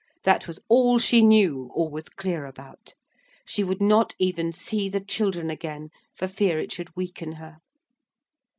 That was all she knew or was clear about. She would not even see the children again, for fear it should weaken her.